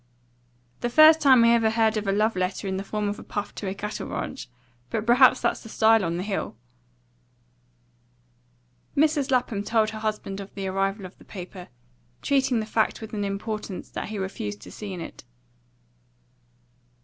"The first time I ever heard of a love letter in the form of a puff to a cattle ranch. But perhaps that's the style on the Hill." Mrs. Lapham told her husband of the arrival of the paper, treating the fact with an importance that he refused to see in it.